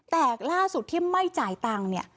แต่ล่าสุดที่ไม่จ่ายตังค์